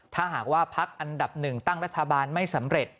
ถ้าหากว่าพักอันดับหนึ่งตั้งรัฐบาลไม่สำเร็จ